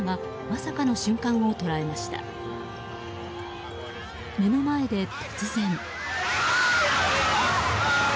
目の前で突然。